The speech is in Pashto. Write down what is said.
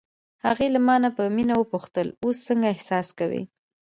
هغې له مانه په مینه وپوښتل: اوس څنګه احساس کوې؟